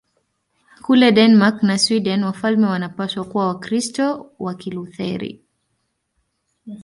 Kule Denmark na Sweden wafalme wanapaswa kuwa Wakristo wa Kilutheri.